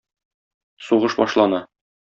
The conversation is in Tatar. Сугыш башлана.